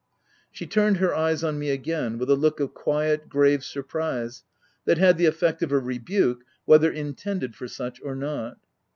She turned her eyes on me again, with a look of quiet, grave surprise, that had the effect of a rebuke, whether intended for such or not.